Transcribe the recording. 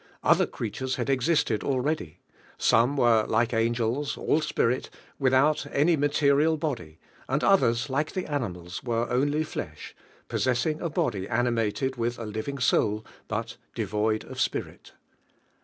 Other creatures had existed already, some were like angels, ail spirit, without any material body, and others, . like the animals, were only flesh, possess ing a body animated with a living soul, but devoid of spirit.